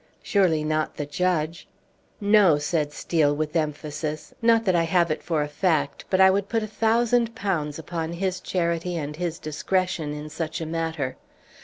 "Surely not the judge?" "No," said Steel, with emphasis. "Not that I have it for a fact, but I would put a thousand pounds upon his charity and his discretion in such a matter.